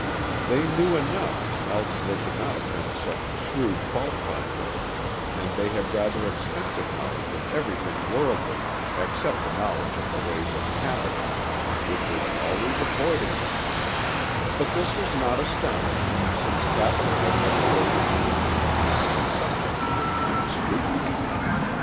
They knew enough, else they could not have been such shrewd fault finders, and they had rather extensive knowledge of everything worldly except a knowledge of the ways of Capital, which was always avoiding them; but this was not astonishing, since Capital had never lived among them and been subject to their keen scrutiny.